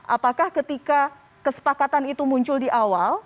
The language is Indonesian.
apakah ketika kesepakatan itu muncul di awal